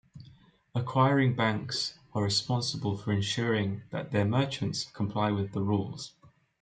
Acquiring banks are responsible for ensuring that their merchants comply with the rules.